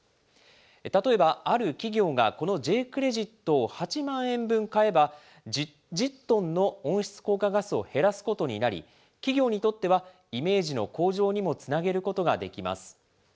例えば、ある企業がこのＪークレジットを８万円分買えば、１０トンの温室効果ガスを減らすことになり、企業にとってはイメージの向上にもつなげることができます。